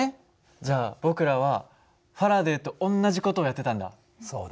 じゃあ僕らはファラデーと同じ事をやってたんだ。